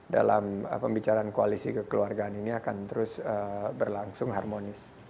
dalam pembicaraan koalisi kekeluargaan ini akan terus berlangsung harmonis